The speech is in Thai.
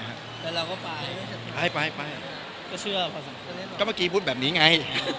ปั๊บก็เมื่อกี้พูดแบบนี้ไง